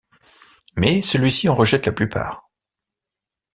Mais celui-ci en rejette la plupart.